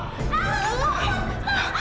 tante aku mau